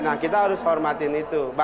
nah kita harus hormatin itu